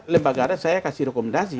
lembaga adat saya kasih rekomendasi